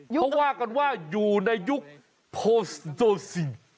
พอว่ากันว่าอยู่ในยุคพอสโตซิน